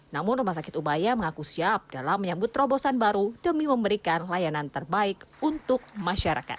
namun rumah sakit ubaya mengaku siap dalam menyambut terobosan baru demi memberikan layanan terbaik untuk masyarakat